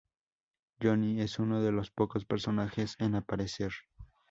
Johnny es uno de los pocos personajes en aparecer.